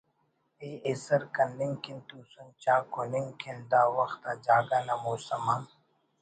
ءِ ایسر کننگ کن توسن چا کننگ کن دا وخت آ جاگہ نا موسم ہم